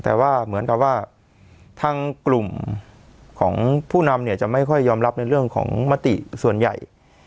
แต่ว่าเหมือนกับว่าทางกลุ่มของผู้นำเนี่ยจะไม่ค่อยยอมรับในเรื่องของมติส่วนใหญ่